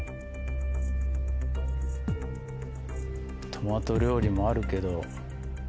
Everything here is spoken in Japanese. トマト料理もあるけど。